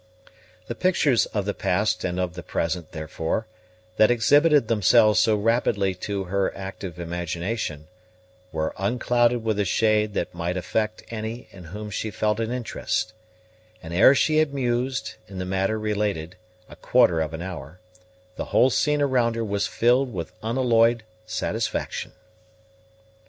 The pictures of the past and of the present, therefore, that exhibited themselves so rapidly to her active imagination, were unclouded with a shade that might affect any in whom she felt an interest; and ere she had mused, in the manner related, a quarter of an hour, the whole scene around her was filled with unalloyed satisfaction.